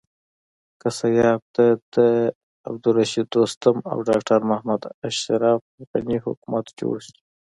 که سبا ته د عبدالرشيد دوستم او ډاکټر محمد اشرف حکومت جوړ شي.